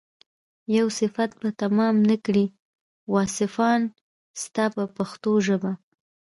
یو صفت به تمام نه کړي واصفان ستا په پښتو ژبه.